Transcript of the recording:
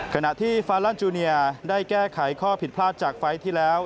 ขณะที่ฟาลันจูเนียได้แก้ไขข้อผิดพลาดจากไฟล์ที่แล้ว